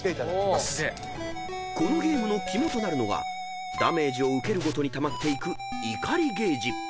［このゲームの肝となるのがダメージを受けるごとにたまっていく怒りゲージ］